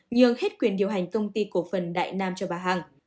nhường hết quyền điều hành công ty cổ phần đại nam cho bà hằng